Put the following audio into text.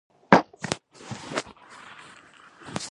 د اشنغر سيمه غزل ټوکوي